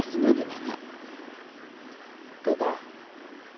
食うか？